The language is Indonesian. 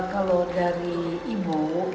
kalau dari ibu